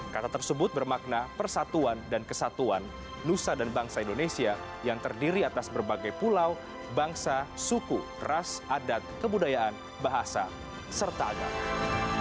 kata tersebut bermakna persatuan dan kesatuan nusa dan bangsa indonesia yang terdiri atas berbagai pulau bangsa suku ras adat kebudayaan bahasa serta agama